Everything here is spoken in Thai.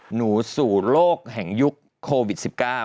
หนูสู่โลกแห่งยุคโควิด๑๙